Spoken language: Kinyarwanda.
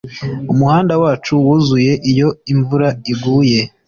Umuhanda wacu wuzuye iyo imvura iguye